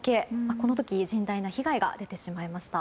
この時甚大な被害が出てしまいました。